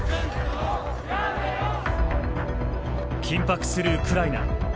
緊迫するウクライナ。